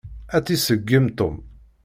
Ad tt-iṣeggem Tom.